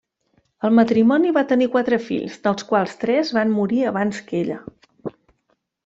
El matrimoni va tenir quatre fills, dels quals tres van morir abans que ella.